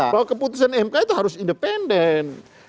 bahwa keputusan mk itu harus independen